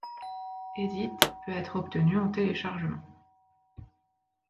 Edit peut être obtenu en téléchargement.